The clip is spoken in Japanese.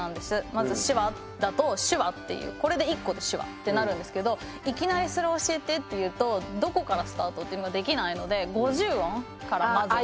まず「手話」だと「手話」っていうこれで１個で「手話」ってなるんですけどいきなりそれ教えてって言うとどこからスタートっていうのができないので５０音からまずは。